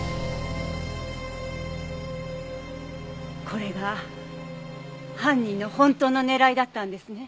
これが犯人の本当の狙いだったんですね。